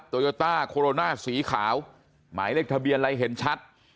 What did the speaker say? โยต้าโคโรนาสีขาวหมายเลขทะเบียนอะไรเห็นชัด